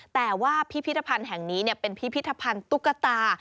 แต่ว่าพิพิธภัณฑ์แห่งนี้เป็นพิพิธภัณฑ์ตุ๊กตา